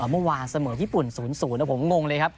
เมื่อวานเสมอญี่ปุ่น๐๐ผมงงเลยครับ